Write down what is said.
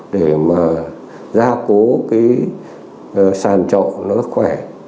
để mà gia cố cái sàn trộm nó khỏe